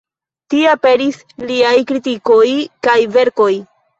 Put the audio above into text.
Tie aperis liaj kritikoj kaj verkoj.